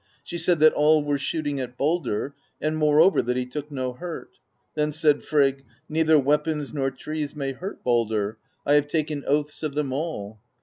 She said that all were shooting at Baldr, and more over, that he took no hurt. Then said Frigg: 'Neither weapons nor trees may hurt Baldr: I have taken oaths of them all.'